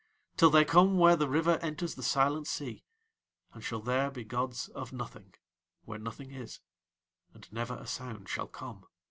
till they come where the River enters the Silent Sea, and shall there be gods of nothing, where nothing is, and never a sound shall come.